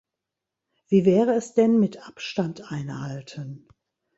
Wie wäre es denn mit Abstand einhalten?